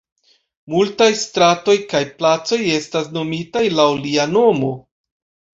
Multaj stratoj kaj placoj estas nomitaj laŭ lia nomo.